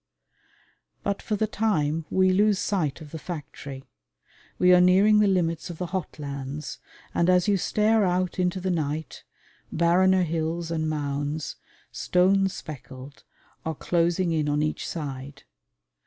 But for the time we lose sight of the factory. We are nearing the limits of the hot lands, and as you stare out into the night, barrener hills and mounds, stone speckled, are closing in on each side.